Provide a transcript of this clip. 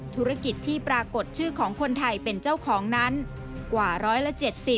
ธุรกิจที่ปรากฏชื่อของคนไทยเป็นเจ้าของนั้นกว่า๑๗๐